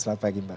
selamat pagi mbak